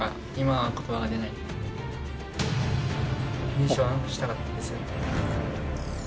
優勝したかったです。